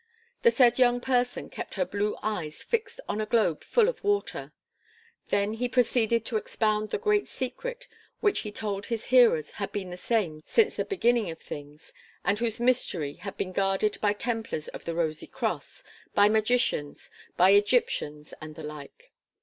The said young person kept her blue eyes fixed on a globe full of water. Then he proceeded to expound the Great Secret which he told his hearers had been the same since the beginning of things and whose mystery had been guarded by Templars of the Rosy Cross, by Magicians, by Egyptians and the like.